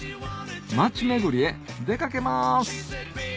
町巡りへ出掛けます